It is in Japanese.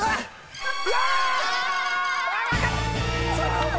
うわ！